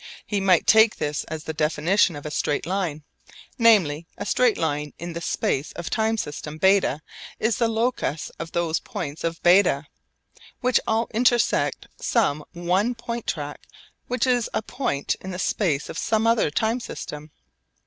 We might take this as the definition of a straight line. Namely, a straight line in the space of time system β is the locus of those points of β which all intersect some one point track which is a point in the space of some other time system.